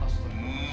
ah susungan lo